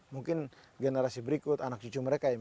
mungkin generasi berikut anak cucu mereka mereka harus berjuang